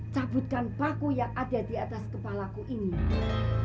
cabutkan baku yang ada di atas kepalaku ini